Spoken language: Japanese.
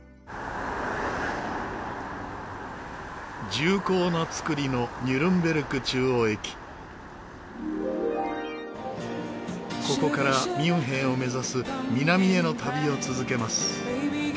重厚な造りのここからミュンヘンを目指す南への旅を続けます。